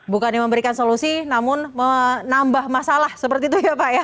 bukannya memberikan solusi namun menambah masalah seperti itu ya pak ya